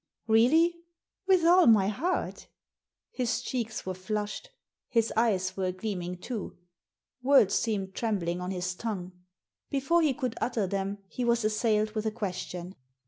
"Really?" "With all my heart" His cheeks were flushed. His eyes were gleam ing too. Words seemed trembling on his tongue. Before he could utter them he was assailed with a question.